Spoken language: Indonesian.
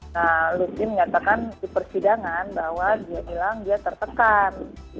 nah lutfi menyatakan di persidangan bahwa dia hilang dia tertekan